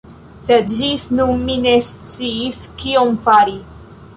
Sed ĝis nun mi ne sciis kion fari